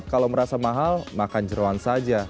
kalau merasa mahal makan jeruan saja